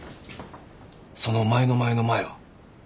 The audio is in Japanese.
その前の前の前は？